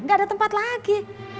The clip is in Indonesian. gak ada tempat lagi